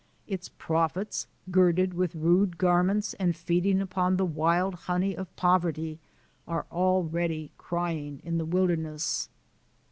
Its prophets, girded with rude garments and feeding upon the wild honey of poverty, are already crying in the wilderness.